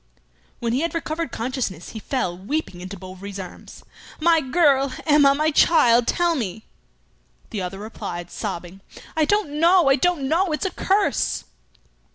When he had recovered consciousness, he fell, weeping, into Bovary's arms: "My girl! Emma! my child! tell me " The other replied, sobbing, "I don't know! I don't know! It's a curse!"